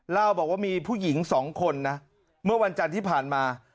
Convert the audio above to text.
เล่าบอกว่ามีผู้หญิงสองคนนะเมื่อวันจันทร์ที่ผ่านมา